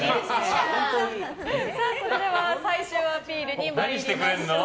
それでは最終アピールに参りましょう。